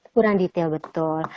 kurang detail betul